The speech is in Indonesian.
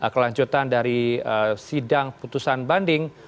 kelanjutan dari sidang putusan banding